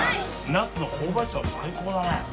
ナッツの香ばしさが最高だね